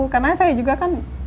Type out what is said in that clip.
karena saya juga kan